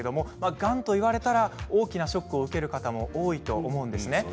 がんと言われたら大きなショックを受ける方も多いと思うんですね。